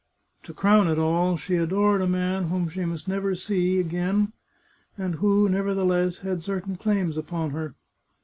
To crown it all, she adored a man whom she must never see again, and who, nevertheless, had certain claims upon her.